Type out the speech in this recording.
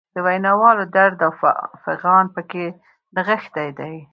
د ویناوال درد او فعان پکې نغښتی دی.